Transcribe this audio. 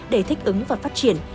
để thích ứng và phát triển